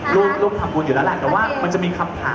รูปรัมดีอยู่แล้วละนะคะว่ามันจะมีคำถาม